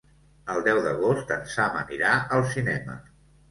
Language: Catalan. El deu d'agost en Sam anirà al cinema.